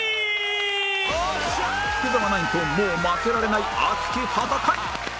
福澤ナインともう負けられない熱き戦い